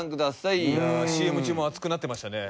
いやあＣＭ中も熱くなってましたね。